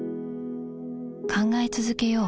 考え続けよう